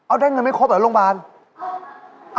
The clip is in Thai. เอาได้เงินไม่ครบเหรอโรงพยาบาล